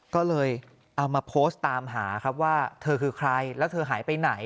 ก็เลยเอามาโพสต์ตามหาครับว่าเธอคือใครแล้วเธอหายไปไหน